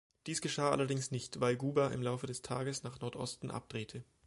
Dies geschah allerdings nicht, weil Guba im Laufe des Tages nach Nordosten abdrehte.